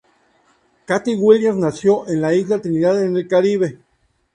Cathy Williams nació en la Isla Trinidad en el Caribe.